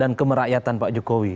dan kemerakyatan pak jokowi